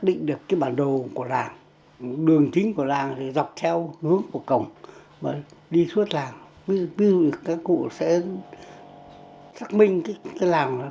ví dụ như các cụ sẽ xác minh cái làng có địa thế như thế và lịch sử của làng như thế